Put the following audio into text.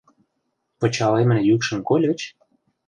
— Пычалемын йӱкшым кольыч?